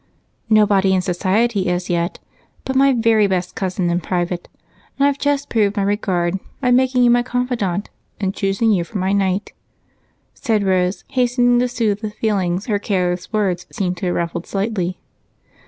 "Nobody in society as yet, but my very best cousin in private, and I've just proved my regard by making you my confidant and choosing you for my knight," said Rose, hastening to soothe the feelings her careless words seemed to have ruffled slightly.